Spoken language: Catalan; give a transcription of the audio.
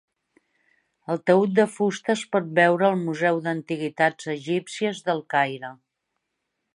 El taüt de fusta es pot veure al Museu d'Antiguitats Egípcies del Caire.